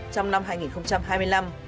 trong năm hai nghìn hai mươi năm